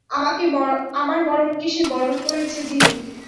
আমার মরণকে সে বরণ করেছে, জিমি।